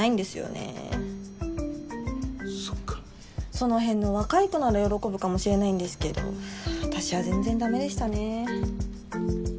その辺の若い子なら喜ぶかもしれないんですけど私は全然ダメでしたね。